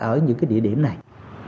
ở những cái địa điểm này